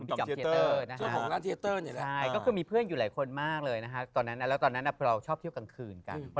พี่จอมเทียเตอร์นะฮะใช่คือมีเพื่อนอยู่หลายคนมากเลยนะฮะตอนนั้นเราชอบเที่ยวกลางคืนกัน